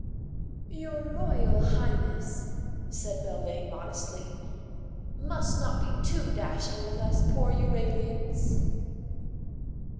"Your Royal Highness," said Belvane modestly, "must not be too dashing with us poor Euralians."